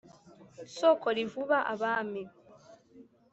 soko rivuba abami